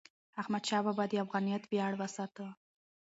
احمدشاه بابا د افغانیت ویاړ وساته.